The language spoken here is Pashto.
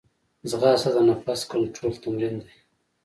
ځغاسته د نفس کنټرول تمرین دی